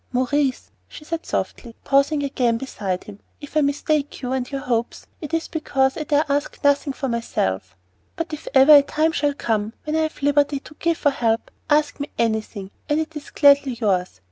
"Maurice," she said softly, pausing again beside him, "if I mistake you and your hopes, it is because I dare ask nothing for myself; but if ever a time shall come when I have liberty to give or help, ask of me anything, and it is gladly yours."